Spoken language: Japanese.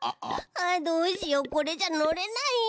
あどうしよこれじゃのれないよ。